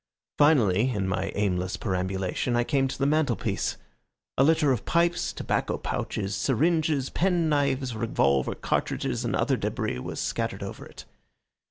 Finally, in my aimless perambulation, I came to the mantelpiece. A litter of pipes, tobacco pouches, syringes, penknives, revolver cartridges, and other debris was scattered over it.